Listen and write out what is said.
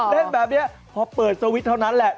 เล่นแบบนี้พอเปิดสวิตช์เท่านั้นแหละ